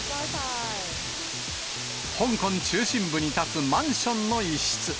香港中心部に建つマンションの一室。